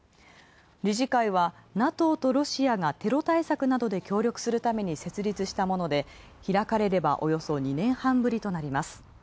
理事会はＮＡＴＯとロシアがテロ対策などで協力するため設立したもので開かれればおよそ２年半ぶりとなります。